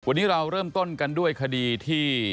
วันนี้เราเริ่มต้นกันด้วยคดีที่